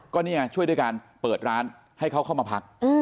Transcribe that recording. ก็เนี่ยช่วยด้วยการเปิดร้านให้เขาเข้ามาพัก